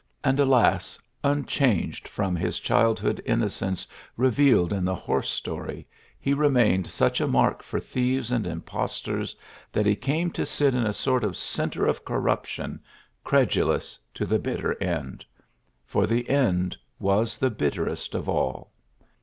And, alas I unchanged from his childhood innocence revealed in the horse story, he remained such a mark for thieves and impostors that he came to sit in a sort of centre of corrup tion, credulous to the bitter end. For the end was the bitterest of all.